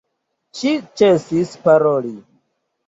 Ŝi ĉesis paroli.